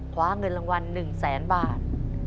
คว้าเงินรางวัล๑แสนบาท